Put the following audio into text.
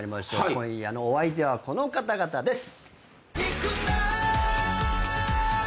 今夜のお相手はこの方々です！